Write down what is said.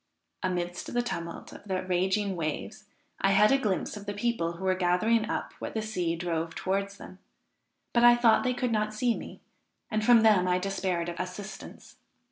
Amidst the tumult of the raging waves I had a glimpse of the people, who were gathering up what the sea drove towards them; but I thought they could not see me, and from them I despaired of assistance.